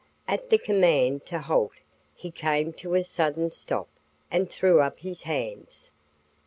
At the command to halt he came to a sudden stop and threw up his hands.